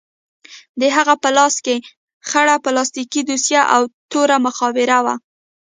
د هغه په لاس کښې خړه پلاستيکي دوسيه او توره مخابره وه.